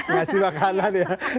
ngasih makanan ya